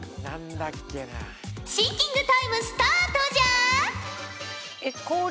シンキングタイムスタートじゃ！